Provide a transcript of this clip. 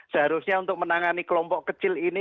seharusnya untuk menangani kelompok kecil ini